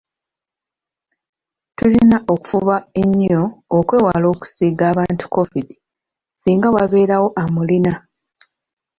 Tulina okufayo enyo okwewala okusiiga abalala Covid singa wabeerawo amulina.